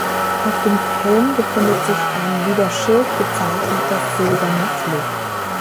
Auf dem Helm befindet sich ein wie der Schild gezeichneter silberner Flug.